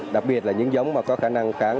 đặc biệt là những giống có khả năng kháng